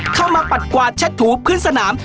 เข้ามาปัดกวาดแชทถูปขึ้นสนาม